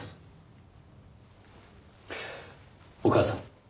お母さん